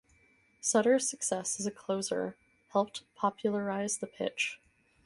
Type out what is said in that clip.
Sutter's success as a closer helped popularize the pitch.